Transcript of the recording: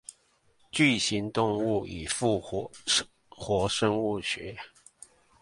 巨型動物與復活生物學